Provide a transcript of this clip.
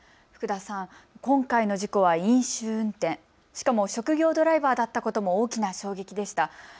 福田さん、今回の事故は飲酒運転、しかも職業ドライバーだったことも大きな衝撃でした。